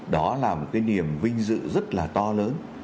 đó là một cái niềm vinh dự rất là to lớn